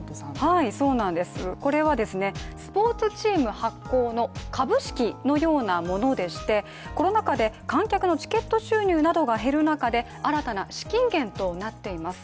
そうなんです、これはスポーツチーム発行の株式のようなものでしてコロナ禍で観客のチケット収入などが減る中で新たな資金源となっています。